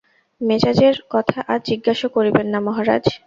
মেজাজের কথা আর জিজ্ঞাসা করিবেন না, মহারাজ।